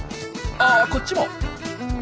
あこっちも。